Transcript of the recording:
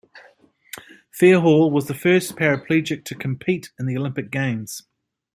Fairhall was the first paraplegic to compete in the Olympic Games.